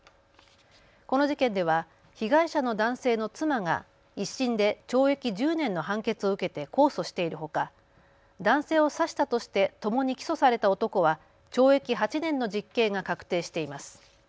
この事件では被害者の男性の妻が１審で懲役１０年の判決を受けて控訴しているほか男性を刺したとしてともに起訴された男は懲役８年の実刑が確定しています。